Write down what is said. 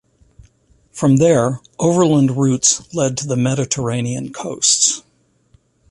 From there, overland routes led to the Mediterranean coasts.